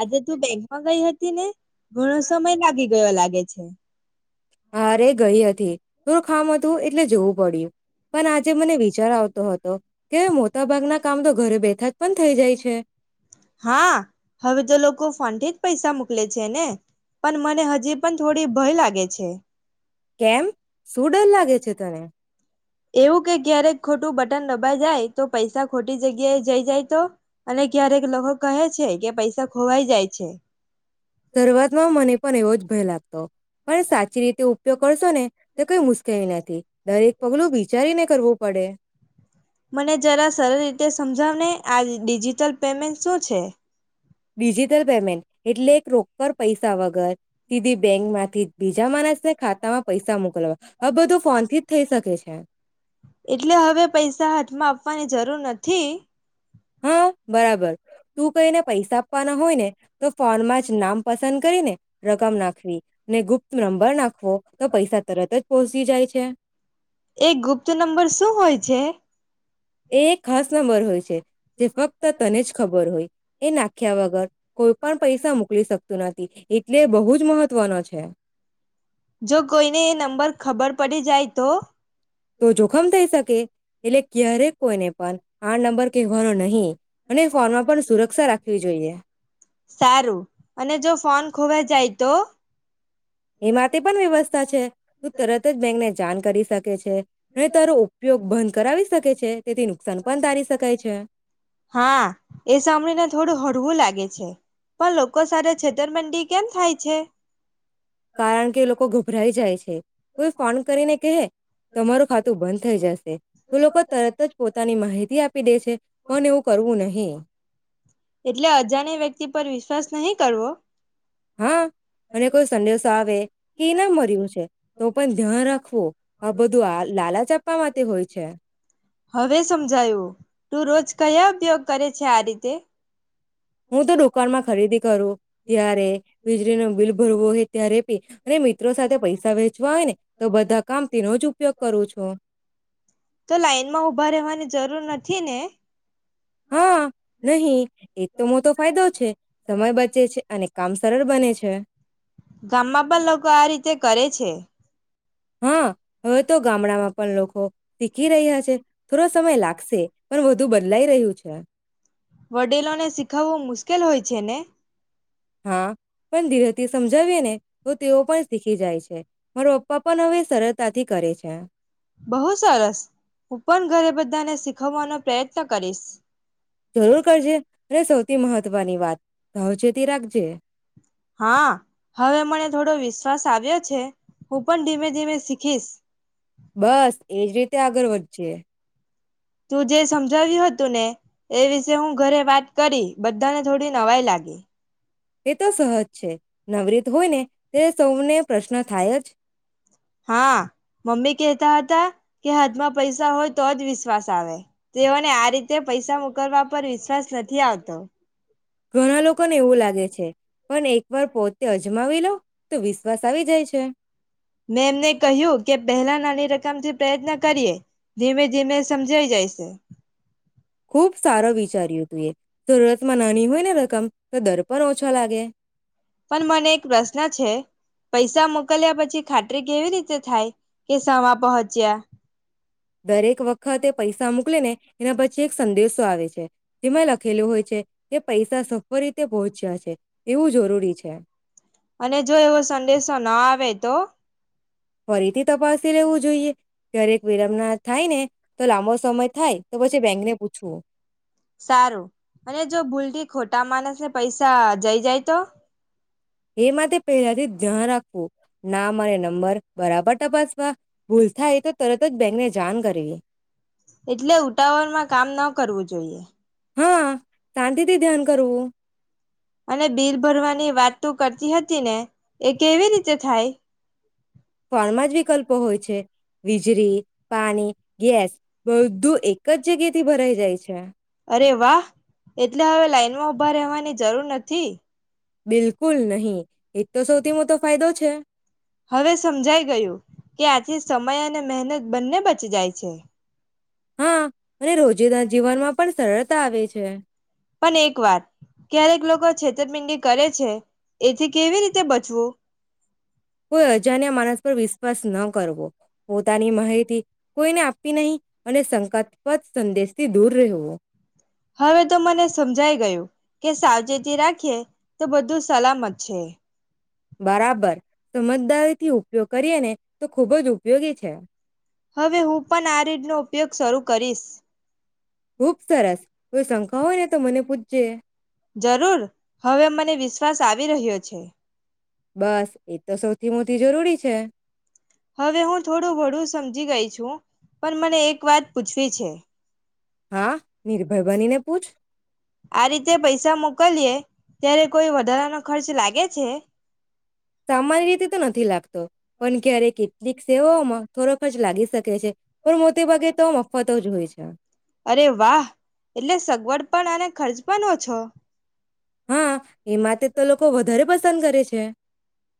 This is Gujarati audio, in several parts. આજે તું બેંકમાં ગઈ હતી ને ઘણો સમય લાગી ગયો લાગે છે. હા રે ગઈ હતી થોડું ખામ હતું એટલે જોવું પડ્યું. પણ આજે મને વિચાર આવતા તો કે મોટા ભાગના કામ તો ઘરે બેઠા જ પણ થઈ જાય છે. હા હવે તો લોકો ફોન થી જ પૈસા મોકલે છે, ને પણ મને હજી પણ થોડી ભય લાગે છે. કેમ શું ડર લાગે છે તને. એવું કે ક્યારેક ખોટું બટન દબાય જાય તો પૈસા ખોટી જગ્યાએ જઈ જાય તો, અને ક્યારેક લોકો કહે છે કે પૈસા ખોવાઈ જાય છે. શરૂઆતમાં મને પણ એવો જ ભય લાગ તો પણ સાચી રીતે ઉપયોગ કરશો ને તે કઈ મુશ્કેલી નથી દરેક પગલું વિચારીને કરવું પડે. મને જરા સરળ રીતે સમજાવને આ ડિજિટલ પેમેન્ટ શું છે. ડિજિટલ પેમેન્ટ એટલે એક રોકડ પૈસા વગર સીધી બેંક માંથી બીજા માણસને ખાતામાં પૈસા મોકલવા આ બધું ફોનથી જ થઈ શકે છે. એટલે હવે પૈસા હાથમાં આપવાની જરૂર નથી. હા બરાબર તું કઈને પૈસા આપવાના હોય ને તો ફોનમાં જ નામ પસંદ કરીને રકમ નાખવી ને ગુપ્ત નંબર નાખવો તો પૈસા તરત જ પહોંચી જાય છે. એ ગુપ્ત નંબર શું હોય છે એ ખાસ નંબર હોય છે. તે ફક્ત તને જ ખબર હોય એ નાખ્યા વગર કોઈ પણ પૈસા મોકલી શકતું નથી, એટલે બહુ જ મહત્વનો છે. જો કોઈને એ નંબર ખબર પડી જાય તો તો જોખમ થઈ શકે. એટલે ક્યારેક કોઈને પણ આ નંબર કહેવાનો નહીં. અને ફોનમાં પણ સુરક્ષા રાખવી જોઈએ. સારું અને જો ફોન ખોવાય જાય તો. એ માટે પણ વ્યવસ્થા છે તું તરત જ બેંકને જાણ કરી શક છે અને તારો ઉપયોગ બંધ કરાવી શકે છે. તેથી નુકસાન પણ તારી શકાય છે હા એ સાંભળીને થોડું હળવું લાગે છે, પણ લોકો સાથે છેતર મંડી કેમ થાય છે. કારણ કે એ લોકો ગભરાય જાય છે. કોઈ ફોન કરીને કેહે તમારું ખાતું બંધ થઈ જશે તો લોકો તરત જ પોતાની માહિતી આપી દે છે પણ એવું કરવું નહી. એટલે અજાણ વ્યક્તિ પર વિશ્વાસ નહીં કરવો. હા અને કોઈ સંદેશો આવે કે એ ઇનામ મર્યું છે તો પણ ધ્યાન રાખવો આ બધું આ લાલચ આપવા માટે હોય છે. હવે સમજાયું તું રોજ કયા ઉપયોગ કરે છે આ રીતે. હું તો દુકાન માં ખરીદી કરો ત્યારે વીજળીનો બિલ ભરવો હોય ત્યારે એ અને મિત્રો સાથે પૈસા વેચવા હોય ને, તો બધા કામ તેનો જ ઉપયોગ કરું છું. તો લાઈનમાં ઊભા રહેવાની જરૂર નથી ને? હા, નહી એ જ તો મોતો ફાયદો છે, સમય બચે છે, અને કામ સરળ બને છે. ગામમાં પણ લોકો આ રીતે કરે છે. હા, હવે તો ગામડામાં પણ લોકો શીખી રહ્યા છે, થોડો સમય લાગશે પણ વધુ બદલાઈ રહ્યું છે. વડીલો ને શીખાવવું મુશ્કેલ હોય છે ને? હા, પણ ધીરથી સમજાવીએ ને તો તેઓ પણ શીખી જાય છે, મારો પપ્પા પણ હવે સર તાથી કરે છે. બહું સરસ, હું પન ઘરે બધાને શીખવવાનો પ્રયત્ન કરીશ. જરૂર કરજે અને સૌથી મહત્વની વાત સાવચેતી રાખજે. હા, હવે મને થોડો વિશ્વાસ આવ્યો છે, હું પણ ધીમે ધીમે શીખીશ. બસ એ જ રીતે આગર વધજે. તું જે સમજાવ્યું હતું ને, એ વિશે હું ઘરે વાત કરી. બધાને થોડી નવાઈ લાગી. એ તો સહજ છે, નવરીત હોય ને તે સૌને પ્રશ્ન થાય જ હા મમ્મી કેહતા હતા, કે હદમાં પૈસા હોય તો જ વિશ્વાસ આવે. તેઓ ને આ રીતે તે પૈસા મોકલવા પર વિશ્વાસ નથી આવતો. ઘણા લોકોને એવું લાગે છે, પણ એક વાર પોતે અજમાવી લો તો વિશ્વાસ આવી જાય છે મેં એમને કહ્યું કે પહેલા નાની રકમથી પ્રયત્ન કરીએ, ધીમે ધીમે સમજાઈ જાય છે. ખુબ સારા વિચાર્યું તું એ. જરૂરતમાં નાની હોય ને રકમ. તો દર પર ઓછા લાગે. પણ મને એક પ્રશ્ન છે. પૈસા મોકલ્યા પછી ખાતરી કેવી રીતે થાય કે સમા પહોચ્યા. દરેક વખતે પૈસા મોકલી ને એના પછી એક સંદેશો આવે છે. જેમાં લખેલું હોય છે કે પૈસા સફળ રીતે પહોંચ્યા છે એવું જરૂરી છે અને જો એવો સંદેશો ના આવે તો ફરીથી તપાસ તે રહેવું જોઈએ. ક્યારેક વિરંબના થાય ને તો લાંબો સમય થાય તો પછી બેંકને પૂછવું. મોટા માણસ ને પૈસા જઈ જાય તો. એ માટે પહેલાથી જ ધ્યાન રાખવું નામ અને નંબર બરાબર તપાસવા. ભૂલ થાય એ તો તરત જ બેકને જા. ત કરવી. એટલે ઉતાવળમાં કામ ન કરવું જોઈએ. હા શાંતિથી ધ્યાન કરવું. અને બિલ ભરવાની વાત તો કરતી હતી. ને એ કેવી રીતે થાય. ફમાં જ વિકલ્પો હોય છે. વીજળી. પાણી ગેસ બધું એક જ જગ્યા. ભરાઈ જાય છે. ર વા એટલે હવે લાઈન માં ઉભા રહેવાની જરૂર નથી. બિલકુલ નહી એજ તો સૌથી મોટો ફાયદો છે. હવે સમજાઈ ગયું કે આથી સમય અને મહેનત બંને બચી જાય છે. હા અને રોજિંદા જીવનમાં પણ સરળતા આવે છે. પણ એક વાર ક્યારેક લોકો છેતરપિંડી કરે છે એથી કેવી રીતે બચવું. કોઈ અજાણ્યા માનસ પર વિ. સ ન કરવો પોતાની માહિતી કોઈને. નહી અને શંકાસ્પદ સંદેશથી દૂર રહેવો. હવે તો મને સમજાઈ ગયું કે સાવચેતી રાખીએ તો બધું સલામત છે. બરાબર. સમજદારથી. ઉપયોગ કરીએ ને તો ખુબજ ઉપયોગી છે. હવે હું પણ આ રીડનોો ઉપયોગ શરૂ કરીશ. ખુબ સરસ કોઈ શંકા હોય ને તો મને પૂછજે. જરૂર હવે મને વિશ્વાસ આવી રહ્યો છે. બસ એ તો સૌ. ધી મોથી જરૂરી છે. હવે હું થોડું ઘડું સમજી ગઈ છું પણ મને એક વાત પૂછવી છે. હા નિર્ભય બની ને. પુછ. આ રીતે પૈસા મોકલીએ ત્યારે કોઈ વધારાનો ખર્ચ લાગે છે. સામાન્ય રીતે તો નથી લાગત. પણ ક્યારે કેટલીક સેવાઓમાં થોડો ખર્ચ લાગી શકે છે પણ મોટે ભાગે તો મફતો જ હોય છે. અરે વાહ એટલે સગવડ પણ અને ખર્ચ પણ ઓછો. હા એ માટે તો લોકો વધારે પસંદ કરે છે. છે.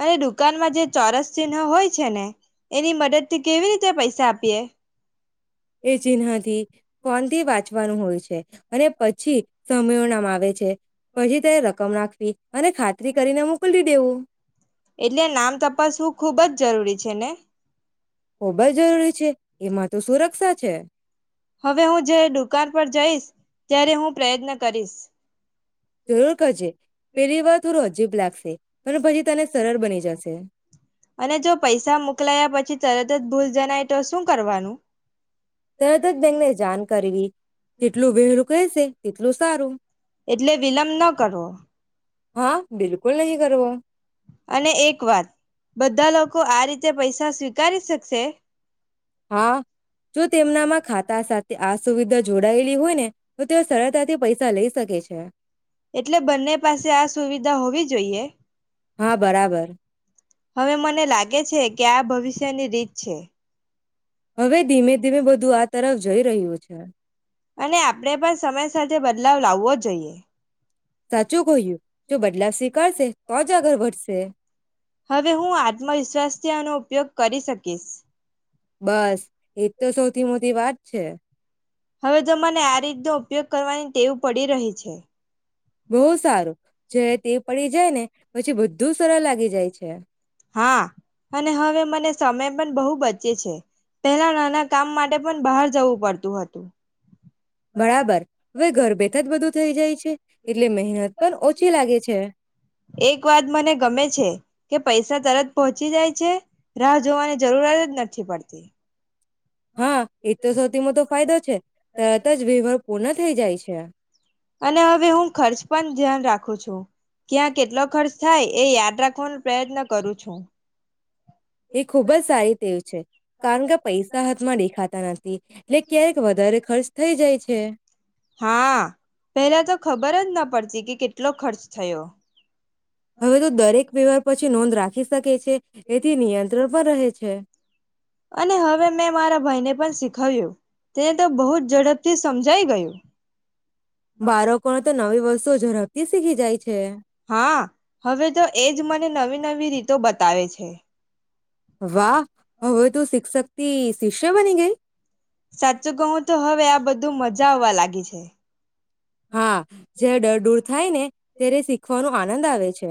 અને દુકાનમાં જે ચોરસ ચિહ્ન હોય છે ને એની મદદ થી કેવી રીતે પૈસા આપીએ. એ ચિન્હથી ફોનથી વાંચવાનું હોય છે. અને પછી સમયોનામાં માપ. વેચે. પછી તેને રકમ નાખવી અને ખાતરી કરીને મોકલી દેવું. એટલે નામ તપાસવું ખૂબ જ જરૂરી છે ને. ખૂબ જ જરૂરી છે. એમાં તો સુરક્ષા છે હવે હું જે દુકાન પર જઈશ. ત્યારે હું પ્રયત્ન કરીશ. જરૂર કરજે પેલી વાર થોડું અજીબ લાગશે. પણ પછી તને સરળ બની જશે. અને જો પૈસા મોકલાયા પછી તરત જ ભૂલ જણાય તો શું કરવાનું? તરત જ બેંકને જાન કરવી, જેટલું વે વેલું કહેસે એટલું સારું. એટલે વિલંબ ન કરવો હા બિલકુલ નહી કરવો. અને એક વાત બધા લોકો આ રી તે પૈસા સ્વીકારી શકશે. હા, જો તેમનામાં ખાતા સાથે આ સુવિધા જો ડાવેલી હોય ને તો તેઓ સરળતાથી પૈ સા લઈ શકે છે. એટલે બંને પાસે આ સુવિધા હોવી જોઈએ? હા બરાબર હવે મને લાગે છે કે આ ભવિષ્યની રીત છે. હવે ધીમે ધીમે બ ધું આ તરફ જઈ રહ્યું છે. અને આપણે પણ સમય સાથે બદલાવ લાવવો જોઈએ. સાચું કહ્યું, જો બદલાવ સ્વીકારશે તો જ આગળ વધશે. હવે હું આત્મવિશ્વાસથી આનો ઉપયોગ કરી શકીશ. બસ એ જ તો સૌથી મોટી વાત છે. હવે જો મને આ રીતનો ઉપયોગ કરવાની ટેવું પડી રહી છે. બહુ સારું જ તે પડી જાય ને પછી બધું સરળ લાગી જાય છે. હચ હા અને હવે મને સમય પણ બહુ બચે છે પહેલા નાના કામ માટે પણ બહાર જવું પડતું હતું. બરાબર હવે ઘરભેઠા જ બધું થઈ જાય છે એટલે મહેનત પણ ઓછી લાગે છે. એક વાત મને ગમે છે કે પૈસા તરત પોહોંચી જાય છે. રાહ જોવાની જરૂરજ નથી પડતી. હા એ તો સૌથી મોટો ફાયદો છે તરત જ વિવાદ પૂર્ણ થઈ જાય છે. અને હવે હું ખર્ચ પણ ધ્યાન રાખું છું ક્યાં કેટલો ખર્ચ થાય એ યાદ રાખવાનો પ્રયત્ન કરું છું. એ ખૂબ જ સારી તેવ છે કારણ કે પૈસા હાથમાં દેખાતા નથી એટલે ક્યારેક વધારે ખર્ચ થઈ જાય છે. પડશે કે કેટલો ખર્ચ થયો. હવે તો દરેક વ્યવહાર. પછી નોંધ રાખી શકે છે. એથી નિયંત્રણ. પણ રહે છે. અને હવે મેં મારા ભાઈને પણ શીખવ્યું તેને તો બહુ જ ઝડપથી સમજાઈ ગયું. બારકોણ તો. નવી વસ્તુ ઝડપથી શીખી જાય છે. હા હવે તો એજ મને નવી-નવી રીતો બતાવે છે. વાહ હવે તું શિક્ષક થી શિષ્ય બની ગઈ. સાચું કહું તો હવે બધું મજા આવવા લાગી છે. હા જયારે ડર દૂર થાય ને ત્યારે શીખવાનું આનંદ આવે છે.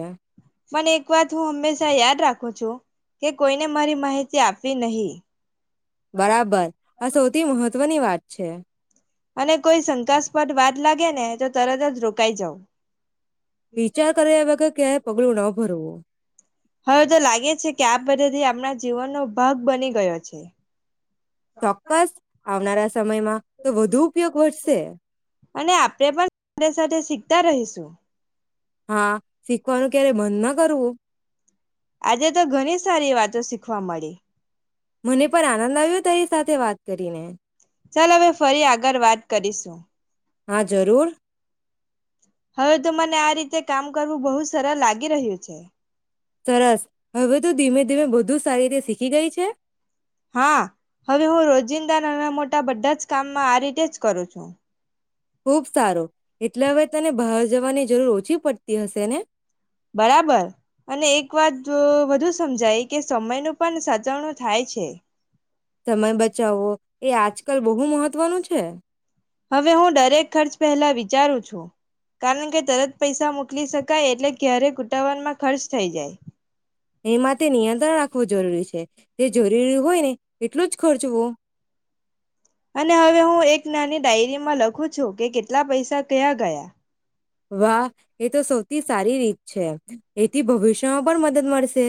પણ એક વાત હું હંમેશા યાદ રાખું છું કે કોઈને મારી માહિતી આપવી નહી. બરાબર આ સૌથી મહત્વની વાત છે. અને કોઈ શંકાસ્પદ વાત લાગે ને તો તરત જ રોકાઈ જાવ. વિચાર કર્યા વગર ક્યાંય‌ પગલું ન ભરવું હવે તો લાગે છે કે આ પધથીઆપણા જીવનનોો ભાગ બની ગયો છે. ચોક્કસ આવનારા‌ સમ સમયમાં તો વધુ ઉપયોગ વધશે. અને આપણે પણ સાથે સાથે શીખતા રહીશું. હા શીખવાનું ક્યારે બંધ ના કરવું. આજે તો ઘણી સારી વાતો શીખવા મળી. મને પણ આનંદ આવ્યો તારી સાથે વાત કરીને‌. ચાલ હવે ફરી આગળ વાત કરીશું. હા, જરૂર. હવે તો મને આ રીતે કામ કરવું બહુ સરળ લાગી રહ્યું છે. સરસ હવે તો ધીમે ધીમે બધું ધું સારી શીખી ગઈ છે? હા હવે હું રોજિંદા નાના મોટા બધાં જ કામમાં આ રીતે જ કરું છું. ખુબ સારો એટલે હવે તને બહાર જવાની જરૂર ઓછી પડતી હશે ને? બરાબર અને એક વાત તો વધુ સમજાય કે સમય નું પણ સાચવણું થાય છે. સમય બચાવવો એ આજકાલ બહુ મહત્વનું છે. છે. હવે હું દરેક ખર્ચ પહેલા વિ વિચારું છું કારણ કે, તરત પૈસા મોકલી શકાય એટલે ક્યારે ઉતાવળમાં ખર્ચ થઈ જાય. એ માટે નિયંત્રણ રાખવું ખવું જરૂરી છે. જે જરૂરી હોય ને એટલું જ ખર્ચવો અને હવે હું એક નાની ડાયરીમાં લખું છું કે કેટલા પૈસા કયા ગયા. વાહ એ તો સૌથી સારી રીત છે. એથી ભવિષ્ય માં પણ મદદ મળશે.